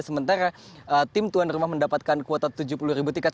sementara tim tuan rumah mendapatkan kuota tujuh puluh ribu tiket